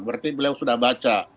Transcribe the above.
berarti beliau sudah baca